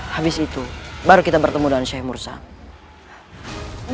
habis itu baru kita bertemu dengan sheikh mursam